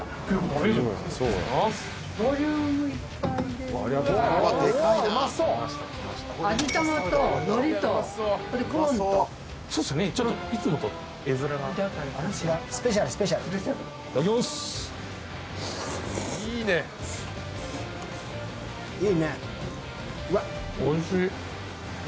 おいしい。